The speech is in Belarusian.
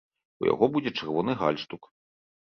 У яго будзе чырвоны гальштук.